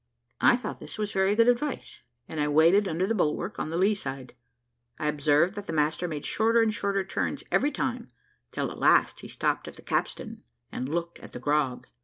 I thought this was very good advice, and I waited under the bulwark on the lee side. I observed that the master made shorter and shorter turns every time, till at last he stopped at the capstan and looked at the grog.